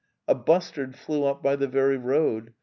A bustard flew up by the very road.